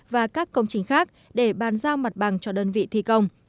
và các công trình khác để bàn giao mặt bằng cho đơn vị thi công